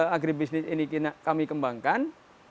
agribisnis ini kami kembangkan